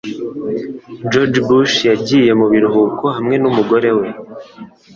George Bush yagiye mu biruhuko hamwe n’umugore we.